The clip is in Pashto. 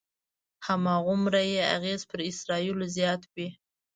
هماغومره یې اغېز پر اسرایلو زیات وي.